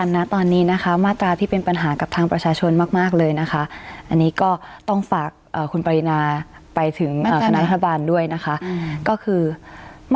น้องมายเคยอ่านรัฐมนูลไหม